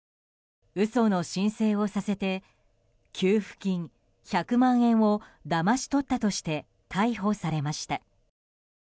嘘の申請をさせて給付金１００万円をだまし取ったとして逮捕されました。